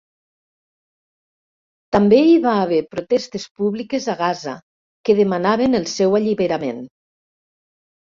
També hi va haver protestes públiques a Gaza que demanaven el seu alliberament.